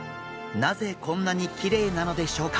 なぜこんなにきれいなのでしょうか？